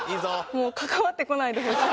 もう関わってこないでほしい。